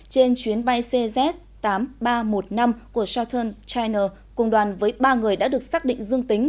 trên chuyến bay cz tám nghìn ba trăm một mươi năm của southern china cùng đoàn với ba người đã được xác định dương tính